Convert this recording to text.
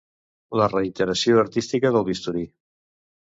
La reiteració artística del bisturí.